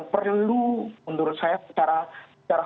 perlu menurut saya secara